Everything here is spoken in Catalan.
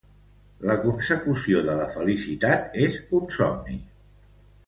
La consecució de la felicitat és un somni.